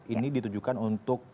ini ditujukan untuk permukiman